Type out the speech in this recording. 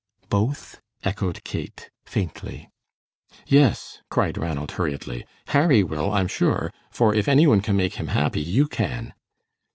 "Both?" echoed Kate, faintly. "Yes," cried Ranald, hurriedly, "Harry will, I'm sure, for if any one can make him happy, you can."